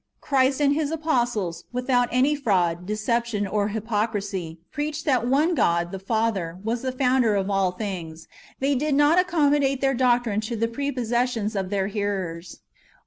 — Christ and His apostles, ivitJiout aiiy fraud, decep tion, or hypocrisy, preached that one God, the Father, was the Founder of all things. They did not accommodate their doct^nne to the p>repossessions of their hearers.